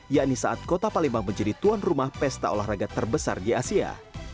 yakni saat kota palembang menjadi tuan rumah pesta olahraga terbesar di asia